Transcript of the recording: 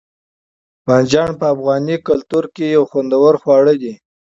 بانجڼ په افغاني کلتور کښي یو خوندور خواړه دي.